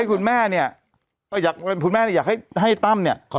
คุณแม่อยากให้ตั้มเนี่ย